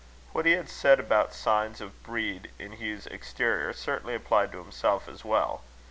What he had said about the signs of breed in Hugh's exterior, certainly applied to himself as well.